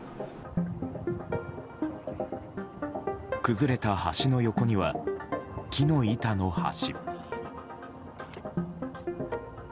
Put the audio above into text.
崩れた橋の横には木の板の橋。